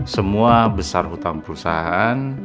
semua besar hutang perusahaan